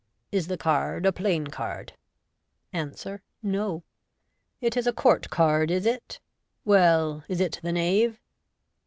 " Is the card a plain card ?" Answer, " No." " It is a court card is it ? Well, is it the knave